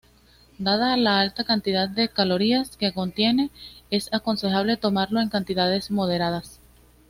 Dada la alta cantidad de calorías que contiene, es aconsejable tomarlo en cantidades moderadas.